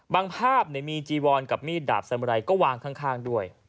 บางภาพมีจีวอนกับมีดาบสมรัยก็วางข้างด้วย